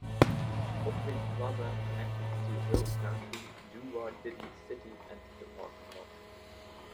Opry Plaza connected to Hill Country, Doo Wah Diddy City, and the parking lot.